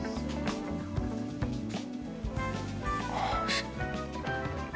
あぁ、おいしい！